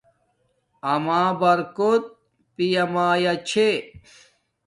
آما برکوت پیامایا چھے